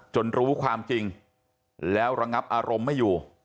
รู้ความจริงแล้วระงับอารมณ์ไม่อยู่